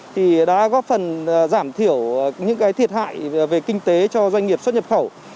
thì đã góp phần giảm thiểu những cái thiệt hại về kinh tế cho doanh nghiệp xuất nhập khẩu